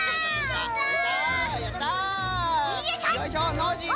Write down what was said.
ノージーも。